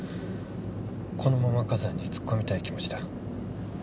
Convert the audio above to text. このまま火山に突っ込みたい気持ちだ。